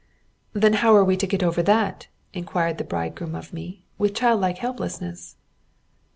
"Then how are we to get over that?" inquired the bridegroom of me, with childlike helplessness.